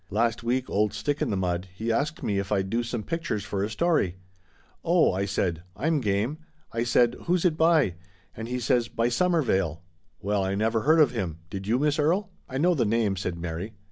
Last week old ' Stick in the Mud ' he asked me if I'd do some pictures for a story. l Oh !' I said, 1 I'm game,' I said ; l who's it by ?' And he says : i By Waklyn.' Well, I never heard of him, did you, Miss Erie ?"" I know the name," said Mary.